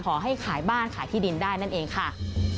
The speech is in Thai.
ขอให้ขายบ้านขายที่ดินได้นั่นเองค่ะ